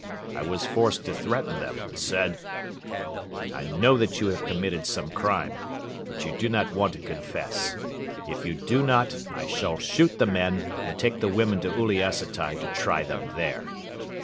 I was forced to threaten them and said: "'I know that you have committed some crime, but you do not want to confess. If you do not, I shall shoot the men and take the women to Uliassutai to try them there.